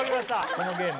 このゲーム。